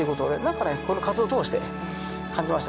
この活動を通して感じましたけどね。